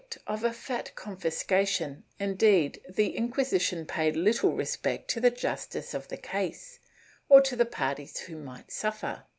Ill] FOREIGN HERETICS 463 of a fat confiscation, indeed, the Inquisition paid little respect to the justice of the case or to the parties who might suffer.